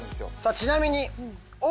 ちなみに。